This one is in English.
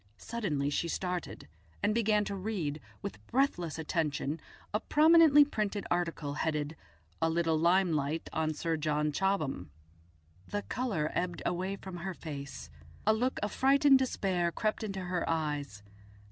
Suddenly she started, and began to read with breathless attention a prominently printed article, headed "A Little Limelight on Sir John Chobham." The colour ebbed away from her face, a look of frightened despair crept into her eyes.